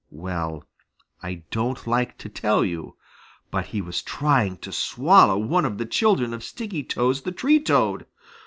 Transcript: Well, I don't like to tell you, but he was trying to swallow one of the children of Stickytoes the Tree Toad.